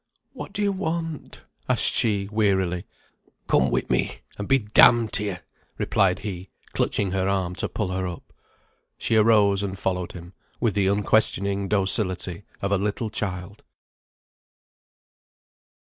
"What do you want?" asked she, wearily. "Come with me, and be d d to you!" replied he, clutching her arm to pull her up. She arose and followed him, with the unquestioning docility of a little child.